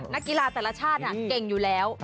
นักกีฬาแต่ละชาติเก่งอยู่แล้ว